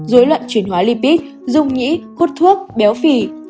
dối loạn chuyển hóa lipid dung nhĩ hút thuốc béo phì